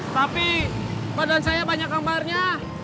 tapi badan saya banyak gambarnya